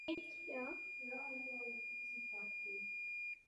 Téměř každým rokem byla na tradičním pražském autosalonu představena nová verze.